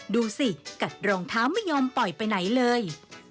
ดูสิกัดรองเท้าไม่ยอมปล่อยไปไหนเลย